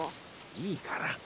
いいから。